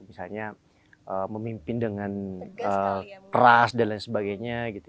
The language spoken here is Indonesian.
misalnya memimpin dengan keras dan lain sebagainya gitu